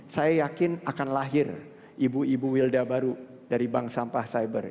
saya yakin akan lahir ibu ibu wilda baru dari bank sampah cyber